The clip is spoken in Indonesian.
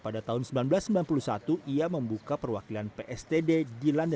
dan juga olimpiade